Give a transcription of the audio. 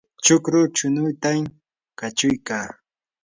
chukru chunutam kachuykaa.